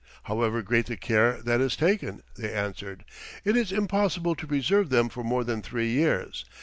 "However great the care that is taken," they answered, "it is impossible to preserve them for more than three years.